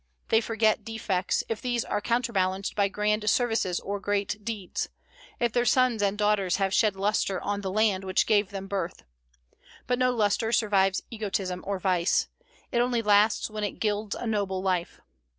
They forget defects, if these are counterbalanced by grand services or great deeds, if their sons and daughters have shed lustre on the land which gave them birth. But no lustre survives egotism or vice; it only lasts when it gilds a noble life.